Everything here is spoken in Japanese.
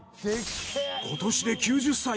今年で９０歳。